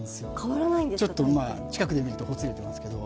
ちょっと近くで見るとほつれてるんですけど。